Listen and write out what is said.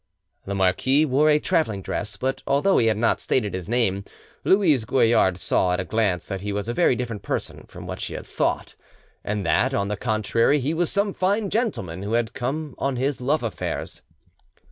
The marquis wore a travelling dress; but although he had not stated his name, Louise Goillard saw at a glance that he was a very different person from what she had thought, and that, on the contrary, he was some fine gentleman who had come on his love affairs.